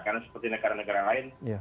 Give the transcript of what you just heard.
karena seperti negara negara lain